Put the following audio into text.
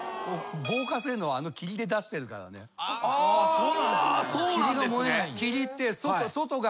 そうなんですね。